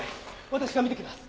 私が見てきます。